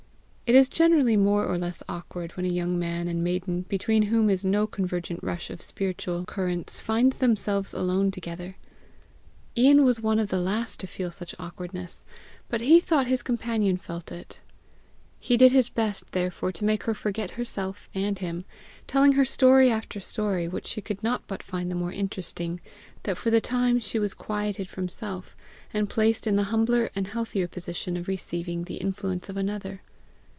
It is generally more or less awkward when a young man and maiden between whom is no convergent rush of spiritual currents, find themselves alone together. Ian was one of the last to feel such awkwardness, but he thought his companion felt it; he did his best, therefore, to make her forget herself and him, telling her story after story which she could not but find the more interesting that for the time she was quieted from self, and placed in the humbler and healthier position of receiving the influence of another.